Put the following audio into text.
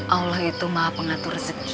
allah itu maha pengatur rezeki